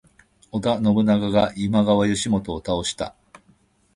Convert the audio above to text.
織田信長が今川義元を倒した。